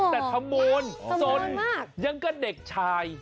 แต่ขโมนสนยังก็เด็กชาย